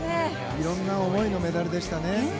いろんな思いのメダルでしたね。